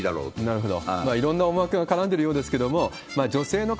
なるほど。